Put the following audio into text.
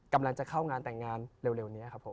กำลังจะเข้างานแต่งงานเร็วนี้ครับผม